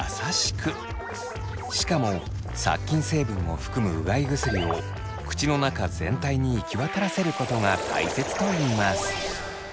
しかも殺菌成分を含むうがい薬を口の中全体に行き渡らせることが大切といいます。